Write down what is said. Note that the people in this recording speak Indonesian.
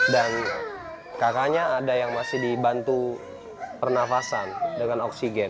kakaknya ada yang masih dibantu pernafasan dengan oksigen